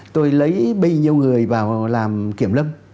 tôi lấy bây nhiêu người vào làm kiểm lâm